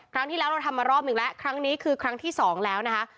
ครั้งที่แล้วเราทำมารอบหนึ่งแล้วครั้งนี้คือครั้งที่สองแล้วนะคะ